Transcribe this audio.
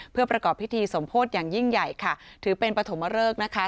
เพื่อประกอบพิธีสมโพธิอย่างยิ่งใหญ่ค่ะถือเป็นปฐมเริกนะคะ